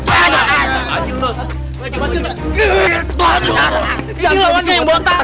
ini lawannya yang bota